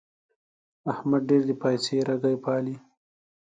احمد ډېر د پايڅې رګی پالي.